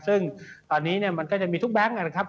ซึ่งตอนนี้มันก็จะมีทุกแบงค์นะครับ